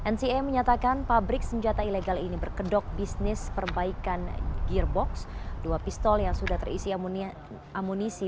nca menyatakan pabrik senjata ilegal ini berkedok bisnis perbaikan gearbox dua pistol yang sudah terisi amunisi